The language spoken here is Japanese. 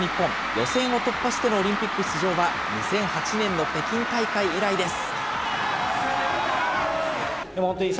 予選を突破してのオリンピック出場は２００８年の北京大会以来です。